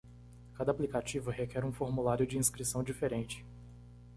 Cada aplicativo requer um formulário de inscrição diferente.